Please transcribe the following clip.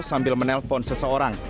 sambil menelpon seseorang